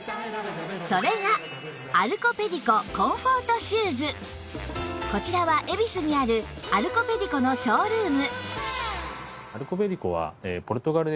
それがこちらは恵比寿にあるアルコペディコのショールーム